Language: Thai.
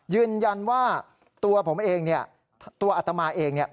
ยืนยันว่าตัวผมเองเนี่ยตัวอัตมาเอง